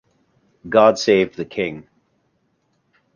God save the King.